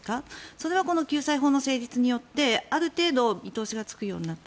それはこの救済法の成立によってある程度見通しがつくようになった。